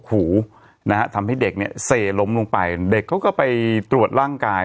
หูนะฮะทำให้เด็กเนี่ยเสล้มลงไปเด็กเขาก็ไปตรวจร่างกาย